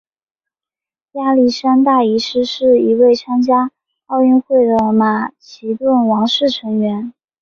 亚历山大一世是第一位参加奥运会的马其顿王室成员。